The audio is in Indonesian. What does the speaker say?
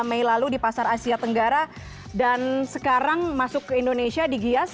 mei lalu di pasar asia tenggara dan sekarang masuk ke indonesia di gias